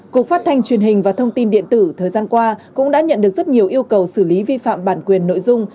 cục phát thanh truyền hình và thông tin điện tử thời gian qua cũng đã nhận được rất nhiều yêu cầu xử lý vi phạm bản quyền nội dung